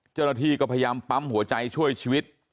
เจ้าหน้าที่ก็พยายามปั๊มหัวใจช่วยชีวิต